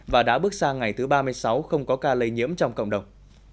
và đã bước sang ngày thứ ba mươi sáu không có ca lây nhiễm trong cộng đồng